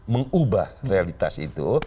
mengubah realitas itu